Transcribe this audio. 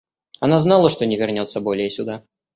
Она знала, что не вернется более сюда.